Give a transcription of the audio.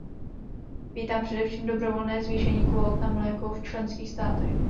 Vítám především dobrovolné zvýšení kvót na mléko v členských státech.